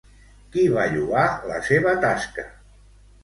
Qui va lloar la seva tasca?